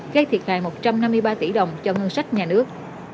gây thiệt hại một trăm năm mươi ba tỷ đồng cho ngân sách nhà nước